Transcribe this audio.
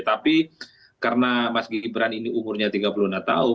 tapi karena mas gibran ini umurnya tiga puluh enam tahun